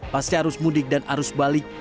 pasca arus mudik dan arus balik